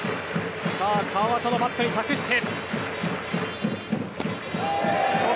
さあ、川端のバットに託して。